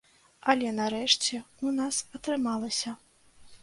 Але нарэшце ў нас атрымалася.